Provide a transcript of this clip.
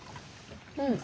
うん。